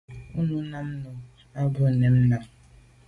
O nèn à mum nà o à bû mèn am.